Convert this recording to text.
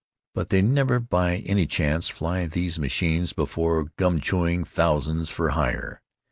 But they never by any chance fly these machines before gum chewing thousands for hire.